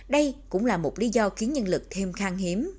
đây cũng là một lý do khiến nhân lực thêm khang hiếm